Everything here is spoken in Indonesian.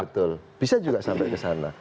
betul bisa juga sampai ke sana